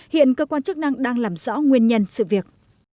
hiện cơ quan chức năng đang làm rõ nguyên nhân sự việc